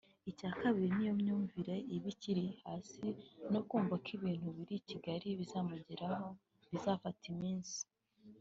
icya kabiri n’iyo myumvire iba ikiri hasi no kumva ko ibintu biri i Kigali kuzamugeraho bizafata iminsi